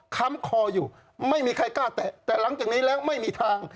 ค้ำคออยู่ไม่มีใครกล้าแตะแต่หลังจากนี้แล้วไม่มีทาง